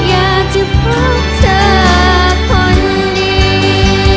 อยากจะพบเธอคนดี